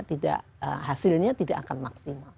tidak hasilnya tidak akan maksimal